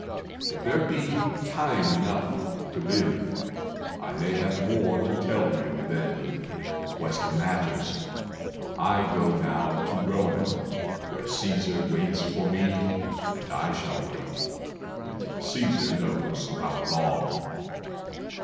If there be time enough To live, I may have more to tell you then Of western matters. I go now to Rome, Where Caesar waits for me, and I shall wait, And Caesar knows how long.